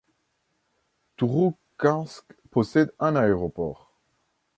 Touroukhansk possède un aéroport.